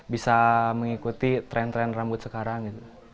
bisa mengikuti tren tren rambut sekarang